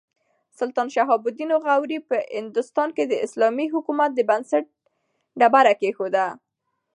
سلطان شهاب الدین غوري په هندوستان کې د اسلامي حکومت د بنسټ ډبره کېښوده.